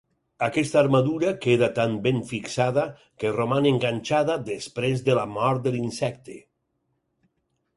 Aquesta armadura queda tan ben fixada que roman enganxada després de la mort de l'insecte.